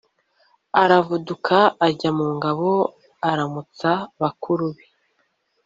aravuduka ajya mu ngabo aramutsa bakuru be.